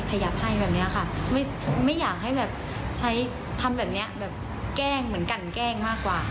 ขยับให้แบบนี้ค่ะไม่อยากให้แบบใช้ทำแบบนี้แบบแกล้งเหมือนกันแกล้งมากกว่า